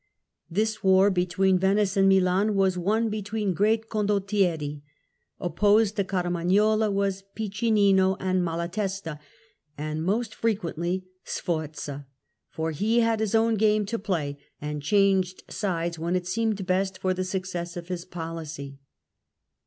The war between Venice and Milan was one between great condottieri. Opposed to Cariuagnola were Piccinino and Malatesta, and most frequently Sforza, but he had his own game to play and changed sides when it seemed best for the success of his policy.